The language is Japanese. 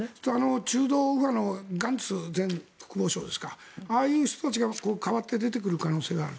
中道右派のガンツ前国防相ですかああいう人たちが代わって出てくる可能性がある？